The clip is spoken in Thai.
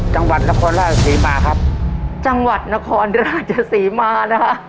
จังหวัดนครราชศรีมาครับจังหวัดนครราชศรีมานะคะ